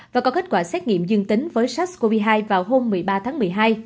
và có kết quả xét nghiệm dương tính với sars cov hai vào hôm một mươi ba tháng một mươi hai